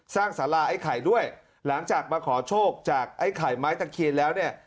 สาราไอ้ไข่ด้วยหลังจากมาขอโชคจากไอ้ไข่ไม้ตะเคียนแล้วเนี่ย